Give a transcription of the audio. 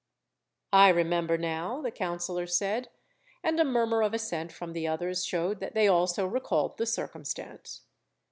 "I remember now," the councillor said; and a murmur of assent from the others showed that they also recalled the circumstance.